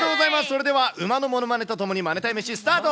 それでは馬のモノマネとともに、マネたい飯、スタート。